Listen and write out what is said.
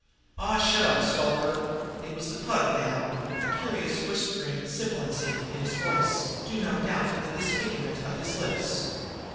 "Aw, shut up, Shluker!" It was the Pug now, a curious whispering sibilancy in his voice, due no doubt to the disfigurement of his lips.